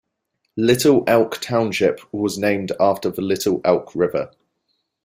Little Elk Township was named after the Little Elk River.